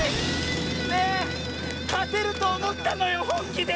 ねえかてるとおもったのよほんきで！